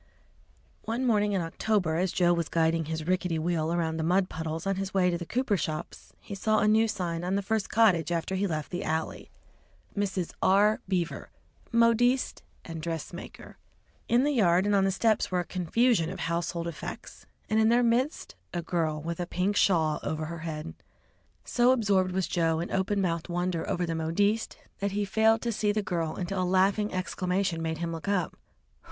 One morning in October, as Joe was guiding his rickety wheel around the mud puddles on his way to the cooper shops, he saw a new sign on the first cottage after he left the alley "Mrs. R. Beaver, Modiste & Dress Maker." In the yard and on the steps were a confusion of household effects, and in their midst a girl with a pink shawl over her head. So absorbed was Joe in open mouthed wonder over the "Modiste," that he failed to see the girl, until a laughing exclamation made him look up.